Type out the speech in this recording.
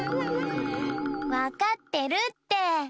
わかってるって。